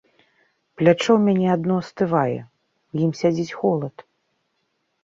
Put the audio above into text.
Плячо ў мяне адно астывае, у ім сядзіць холад.